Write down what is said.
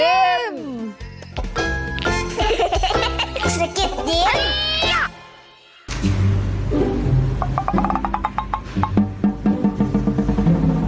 ไม่ได้ลงทะเบียน